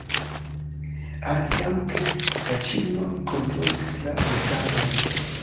Aliflanke, la ĉinoj kontrolis la regadon.